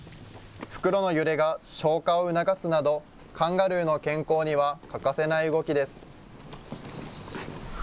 袋の揺れが消化を促すなど、カンガルーの健康には欠かせない動きです。